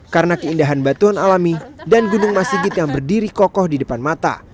karena keindahan batuan alami dan gunung masing nggit yang berdiri kokoh di depan mata